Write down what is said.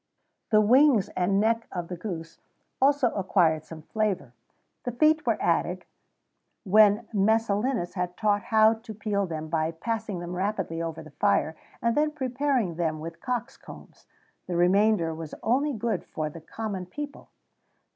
[XVII 73] The wings and neck of the goose also acquired some favour; the feet were added, when Messalinus had taught how to peel them by passing them rapidly over the fire, and then preparing them with cocks' combs. The remainder was only good for the common people.